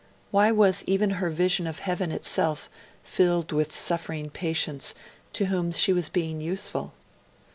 Why was even her vision of heaven itself filled with suffering patients to whom she was being useful?